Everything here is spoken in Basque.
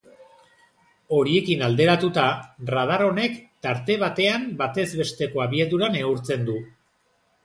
Horiekin alderatuta, radar honek tarte batean batez besteko abiadura neurtzen du.